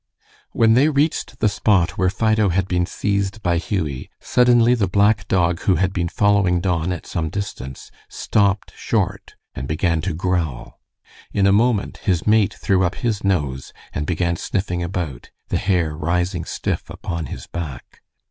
When they reached the spot where Fido had been seized by Hughie, suddenly the black dog who had been following Don at some distance, stopped short and began to growl. In a moment his mate threw up his nose and began sniffing about, the hair rising stiff upon his back.